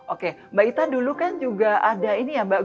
oke mbak ita dulu kan juga ada ini ya mbak